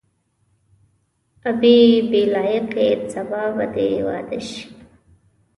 آ بي بي لایقې سبا به دې واده شي.